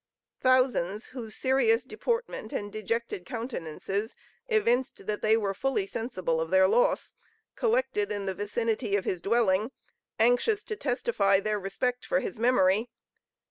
Thousands, whose serious deportment and dejected countenances evinced that they were fully sensible of their loss, collected in the vicinity of his dwelling, anxious to testify their respect for his memory.